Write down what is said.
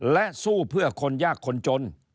และสู้เพื่อคนยากคนจน